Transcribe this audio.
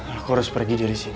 aku harus pergi dari sini